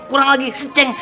kurang lagi seceng